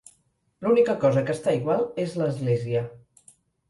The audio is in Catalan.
L'única cosa que està igual és l'església.